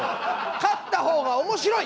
勝った方が面白い！